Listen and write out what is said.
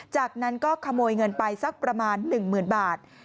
จากนั้นก็ขโมยเงินไปสักประมาณหนึ่งหมื่นบาท